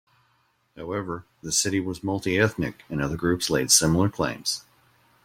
However, the city was multi-ethnic and other groups laid similar claims.